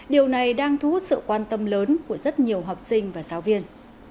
điều này đang thu hút sự quan tâm lớn của rất nhiều học sinh và giáo viên